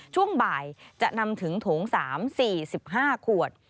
ช่วงบ่ายจะนำถึงโถง๓๔๕ขวด